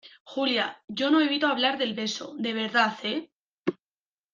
Julia, yo no evito hablar del beso , de verdad ,¿ eh?